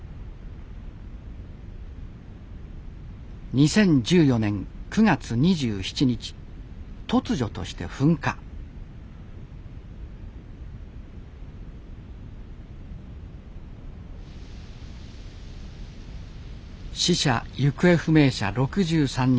２０１４年９月２７日突如として噴火死者・行方不明者６３人。